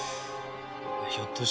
ひょっとして。